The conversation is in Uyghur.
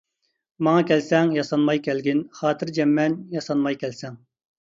ماڭا كەلسەڭ ياسانماي كەلگىن، خاتىرجەممەن ياسانماي كەلسەڭ.